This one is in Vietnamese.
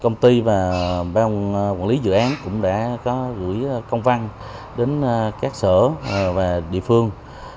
công ty và ban quản lý dự án cũng đã có gửi công văn đến các sở và địa phương